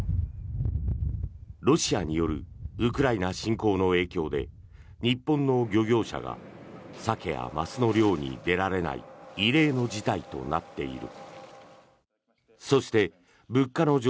ロシアによるウクライナ侵攻の影響で日本の漁業者がサケやマスの漁に出られない異例の事態となっている。